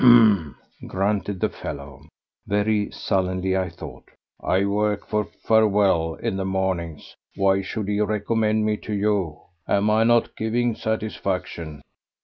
"Hm!" grunted the fellow, very sullenly I thought. "I work for Farewell in the mornings. Why should he recommend me to you? Am I not giving satisfaction?"